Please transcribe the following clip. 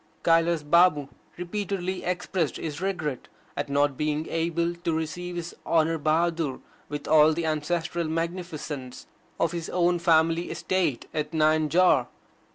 Kailas Babu repeatedly expressed his regret at not being able to receive His Honour Bahadur with all the ancestral magnificence of his own family estate at Nayanjore.